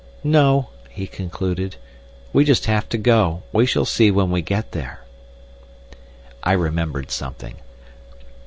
"No," he concluded, "we just have to go. We shall see when we get there." I remembered something.